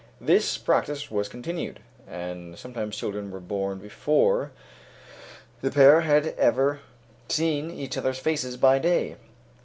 This practice was continued, and sometimes children were born before the pair had ever seen each other's faces by day.